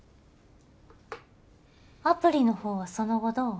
アプリのほうはその後どう？